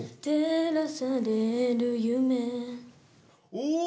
お！